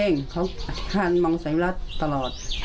เคร่งเขาทานมังไสวรัสตลอด